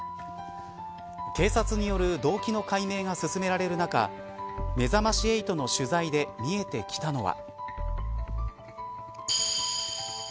警察による動機の解明が進められる中めざまし８の取材で見えてきたのは。